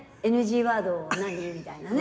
ＮＧワード何？みたいな。